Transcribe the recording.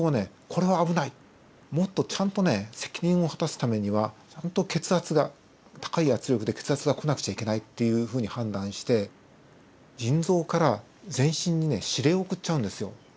これは危ないもっとちゃんとね責任を果たすためにはちゃんと血圧が高い圧力で血圧が来なくちゃいけないっていうふうに判断して腎臓から全身にね指令を送っちゃうんですよ。